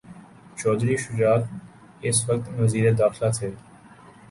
چوہدری شجاعت اس وقت وزیر داخلہ تھے۔